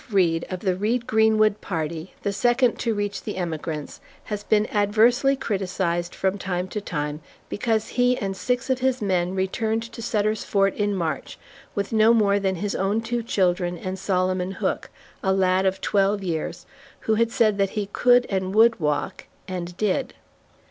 Reed of the Reed Greenwood Party, the second to reach the emigrants, has been adversely criticised from time to time, because he and six of his men returned to Sutter's Fort in March with no more than his own two children and Solomon Hook, a lad of twelve years, who had said that he could and would walk, and did.